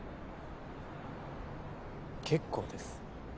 結構です。